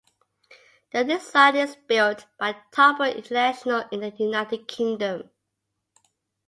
The design is built by Topper International in the United Kingdom.